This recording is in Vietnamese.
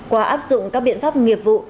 qua áp dụng các biện pháp nghiệp vụ